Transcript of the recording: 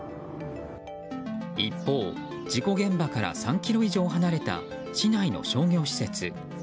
一方、事故現場から３ｋｍ以上離れた市内の商業施設。